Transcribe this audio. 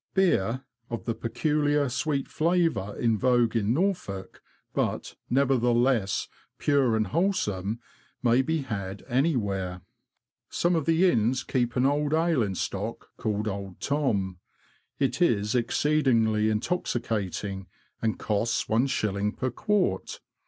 Beer, of the peculiar sweet flavour in vogue in Norfolk, but, nevertheless, pure and wholesome, may be had anywhere. Some of the inns keep an old ale in stock, called " Old Tom." It is exceedingly intoxicating, and costs one shilling per quart.